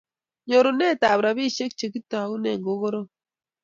Nyorunet ab ropishek Che ketoune ko korom